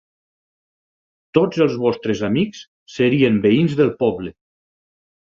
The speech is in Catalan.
Tots els vostres amics serien veïns del poble.